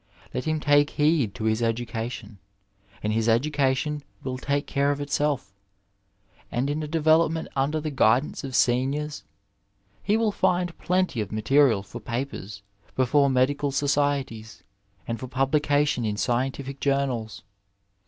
Let him take heed to his education, and his reputation will take care of itself, and in a development under the guidance of seniors he will find plenty of material for papers before medical societies and for publication in scientific journals.